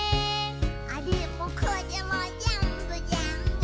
「あれもこれもぜんぶぜんぶ」